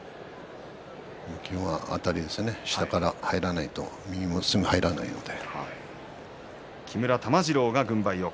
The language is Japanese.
基本は下から入らないと右もすぐ入らないので。